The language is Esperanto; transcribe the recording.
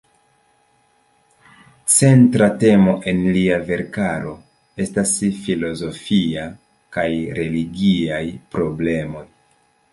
Centra temo en lia verkaro estas filozofiaj kaj religiaj problemoj.